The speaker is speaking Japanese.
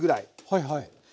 はいはい。